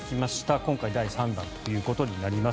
今回、第３弾ということになります。